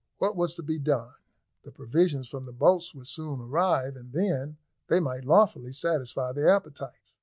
What was to be done? The provisions from the boats would soon arrive, and then they might lawfully satisfy their appetites.